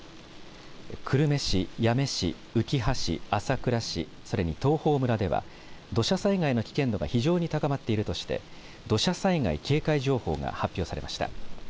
久留米市、八女市うきは市、朝倉市それに東峰村では土砂災害の危険度が非常に高まっているとして土砂災害警戒情報が発表されました。